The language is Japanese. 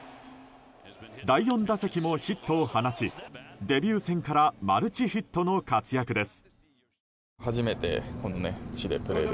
第４打席もヒットを放ちデビュー戦からマルチヒットの活躍です。